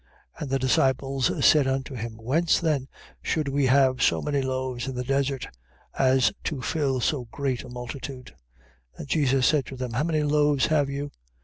15:33. And the disciples say unto him: Whence then should we have so many loaves in the desert, as to fill so great a multitude? 15:34. And Jesus said to them: How many loaves have you?